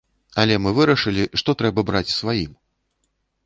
Але мы вырашылі, што трэба браць сваім.